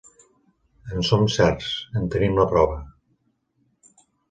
En som certs: en tenim la prova.